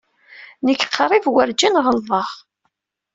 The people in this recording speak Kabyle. Nekk qrib werǧin ɣellḍeɣ.